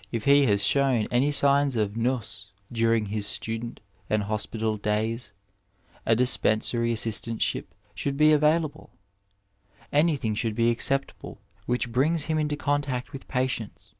^ If he has shown any signs of nous duiing his student and hospital days a dispensary assistantship should be avail able ; anything should be acceptable which brings him into contact with patients.